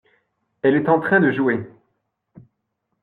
Elle est en train de jouer.